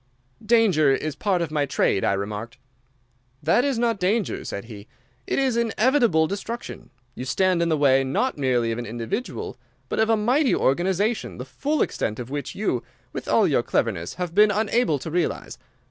"'Danger is part of my trade,' I remarked. "'That is not danger,' said he. 'It is inevitable destruction. You stand in the way not merely of an individual, but of a mighty organization, the full extent of which you, with all your cleverness, have been unable to realize.